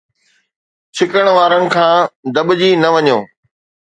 ڇڪڻ وارن کان دٻجي نه وڃو